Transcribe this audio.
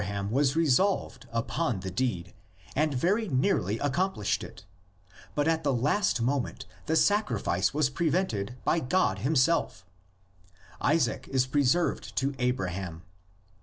ham was resolved upon the deed and very nearly accomplished it, but at the last moment the sacrifice was prevented by God himself: Isaac is preserved to Abraham.